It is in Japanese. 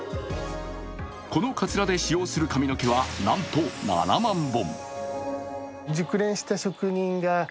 このかつらで使用する髪の毛はなんと７万本。